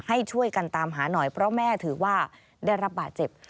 ให้ช่วยกันตามหาหน่อยเพราะแม่ถือว่าได้รับบาดเจ็บ